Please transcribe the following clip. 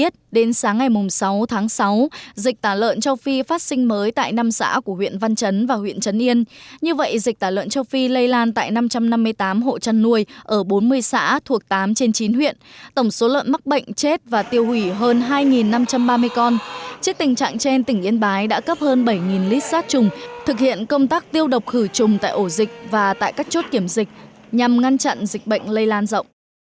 thực hiện công tác tiêu độc khử trùng tại ổ dịch và tại các chốt kiểm dịch nhằm ngăn chặn dịch bệnh lây lan rộng